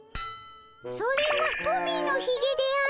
それはトミーのひげであろ。